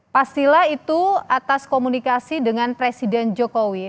pastilah itu atas komunikasi dengan presiden jokowi